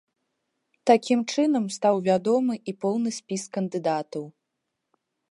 Такім чынам стаў вядомы і поўны спіс кандыдатаў.